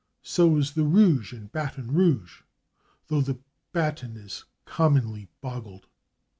So is the /rouge/ in /Baton Rouge/, though the /baton/ is commonly boggled.